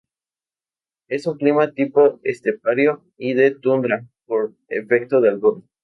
Es un clima tipo estepario y de tundra por efecto de altura.